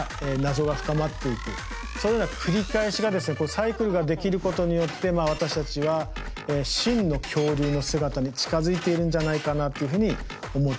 サイクルができることによって私たちは真の恐竜の姿に近づいているんじゃないかなっていうふうに思っています。